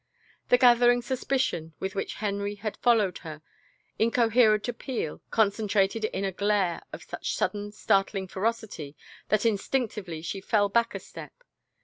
The gathering suspicion with which Henry had fol lowed her incoherent appeal, concentrated in a glare of such sudden, startling ferocity that instinctively she fell back a step.